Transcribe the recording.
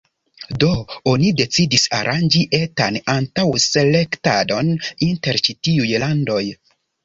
Do oni decidis aranĝi etan antaŭ-selektadon inter ĉi-tiuj landoj.